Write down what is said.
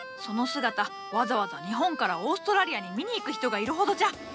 その姿わざわざ日本からオーストラリアに見に行く人がいるほどじゃ。